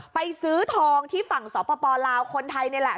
ไปซื้อทองที่ฝั่งสปลาวคนไทยนี่แหละ